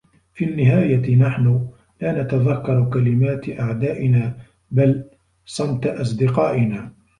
في النهاية نحن لا نتذكر كلمات أعدائنا بل صمت أصدقائنا.